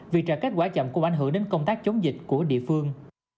vì trả kết quả chậm cũng ảnh hưởng đến công tác chống dịch của địa phương